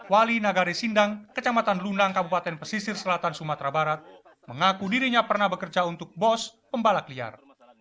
wali nagari sindang kecamatan lunang kabupaten pesisir selatan sumatera barat mengaku dirinya pernah bekerja untuk bos pembalak liar